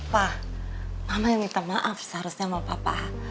pak mama yang minta maaf seharusnya sama papa